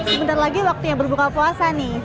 sebentar lagi waktunya berbuka puasa nih